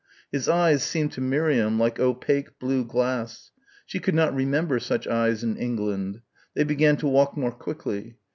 His eyes seemed to Miriam like opaque blue glass. She could not remember such eyes in England. They began to walk more quickly.